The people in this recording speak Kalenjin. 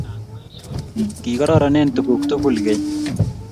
Kigororonen tuguk tugul keny